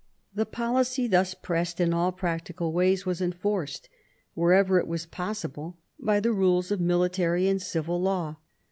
The policy thus pressed in all practical ways was enforced, wherever it was possible, by the rules of military and civil law.